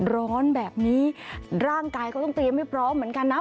ร้อนแบบนี้ร่างกายก็ต้องเตรียมให้พร้อมเหมือนกันนะ